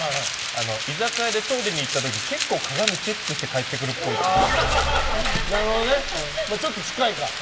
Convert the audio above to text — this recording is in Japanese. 居酒屋でトイレに行った時結構、鏡をチェックしてなるほどね、ちょっと近いか。